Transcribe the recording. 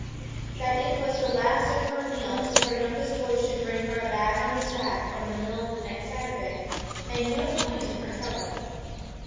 That it was the last of her meal till her youngest boy should bring her a bag on his back from the mill the next Saturday, made no point in her trouble.